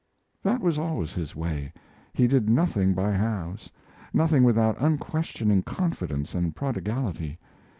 That was always his way. He did nothing by halves; nothing without unquestioning confidence and prodigality.